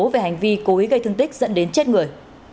về hành vi cố ý gây thương tích dẫn đến chết người